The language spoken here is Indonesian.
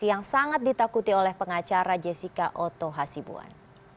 yang sangat ditakuti oleh pengacara jessica oto hasibuan